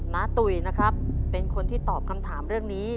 ตุ๋ยนะครับเป็นคนที่ตอบคำถามเรื่องนี้